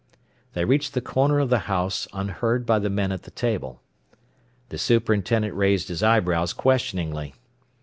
They reached the corner of the house, unheard by the men at the table. The superintendent raised his eyebrows questioningly.